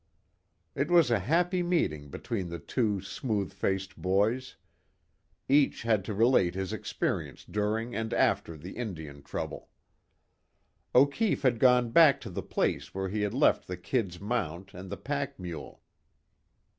It was a happy meeting between the two smooth faced boys. Each had to relate his experience during and after the Indian trouble. O'Keefe had gone back to the place where he had left the "Kid's" mount and the pack mule.